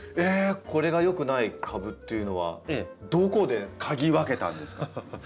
これが良くない株っていうのはどこで嗅ぎ分けたんですか？